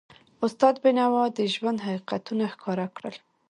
استاد بینوا د ژوند حقیقتونه ښکاره کړل.